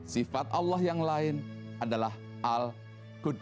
sifat allah yang lain adalah al qur